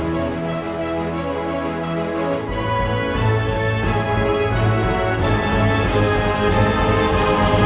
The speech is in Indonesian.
mereka di sini menjelaskan apa juga mas